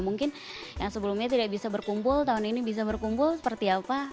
mungkin yang sebelumnya tidak bisa berkumpul tahun ini bisa berkumpul seperti apa